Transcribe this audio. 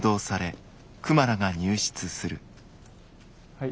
はい。